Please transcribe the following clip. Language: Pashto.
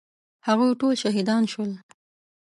هغوی ټول شهیدان شول.